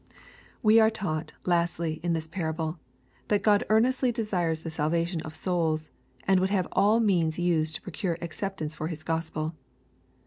We are taught, lastly, in this parable, that God ear^ nestly desires the salvation of souls, and would have all means used to procure acceptance for His Gospel.